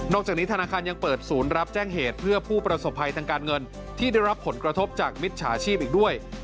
จากนี้ธนาคารยังเปิดศูนย์รับแจ้งเหตุเพื่อผู้ประสบภัยทางการเงินที่ได้รับผลกระทบจากมิจฉาชีพอีกด้วย